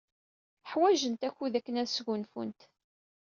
Ḥwajent akud akken ad sgunfunt.